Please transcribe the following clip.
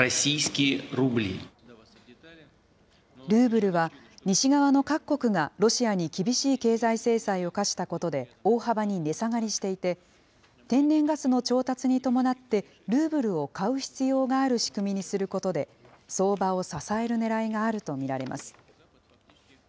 ルーブルは、西側の各国がロシアに厳しい経済制裁を科したことで大幅に値下がりしていて、天然ガスの調達に伴って、ルーブルを買う必要がある仕組みにすることで、相場を支えるねらいがあると見られます。